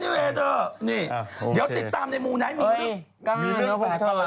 เดี๋ยวติดตามในมูไนท์มีเรื่อง